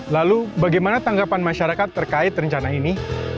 lalu bagaimana tanggapan masyarakat terkait rencana ini